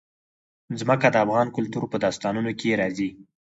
ځمکه د افغان کلتور په داستانونو کې راځي.